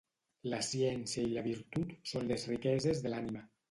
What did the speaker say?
La ciència i la virtut són les riqueses de l'ànima.